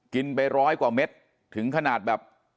กินไปร้อยกว่าเม็ดถึงขนาดแบบ